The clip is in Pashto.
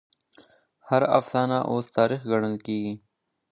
هر افسانه اوس تاريخ ګڼل کېږي.